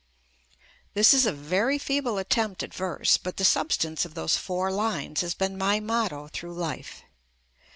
This is a very feeble attempt at verse, but the substance of those four lines has been my motto through life.